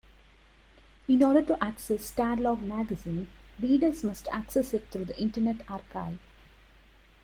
In order to access Starlog magazine, readers must access it through the Internet Archive.